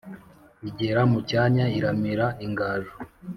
igera mu cyanya iramira ingaju